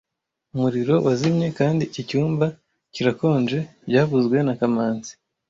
Umuriro wazimye kandi iki cyumba kirakonje byavuzwe na kamanzi